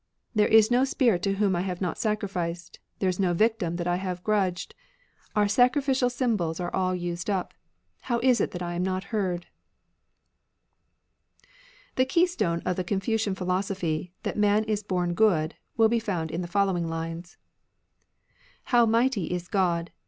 There is no spirit to whom I have not sacrificed ; There is no victim that I have grudged ; Our sacrificial symbols are all used up ;— How is it that I am not heard ? j^^ The keystone of the Confucian phil Confucian osophy, that man is bom good, will be Criterion* » j • j.i j^ n • i* found m the following lines :— How mighty is God